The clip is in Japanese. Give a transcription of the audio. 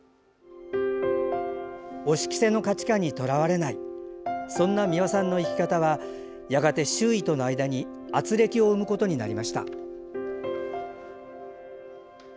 お仕着せの価値観にとらわれないそんな美輪さんの生き方はやがて周囲との間にあつれきを生むことになりました。